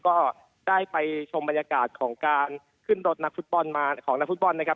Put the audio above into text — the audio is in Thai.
ก็ได้ไปชมบรรยากาศของการขึ้นรถนักฟุตบอลมา